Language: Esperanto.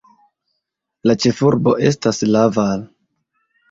La ĉefurbo estas Laval.